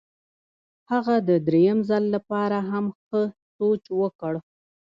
هغه د درېیم ځل لپاره هم ښه سوچ وکړ.